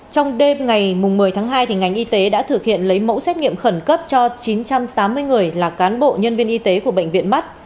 trong đêm ngày một mươi tháng hai ngành y tế đã thực hiện lấy mẫu xét nghiệm khẩn cấp cho chín trăm tám mươi người là cán bộ nhân viên y tế của bệnh viện mắt